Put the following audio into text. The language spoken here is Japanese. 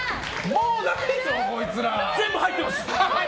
全部入ってます！